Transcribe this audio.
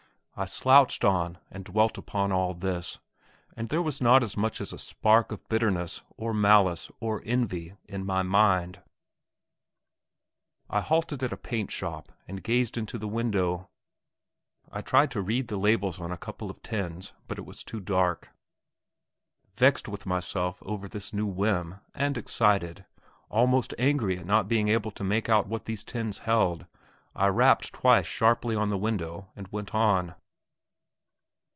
I slouched on, and dwelt upon all this, and there was not as much as a spark of bitterness or malice or envy in my mind. I halted at a paint shop and gazed into the window. I tried to read the labels on a couple of the tins, but it was too dark. Vexed with myself over this new whim, and excited almost angry at not being able to make out what these tins held, I rapped twice sharply on the window and went on.